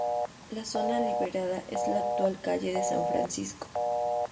La zona liberada es la actual calle de San Francisco.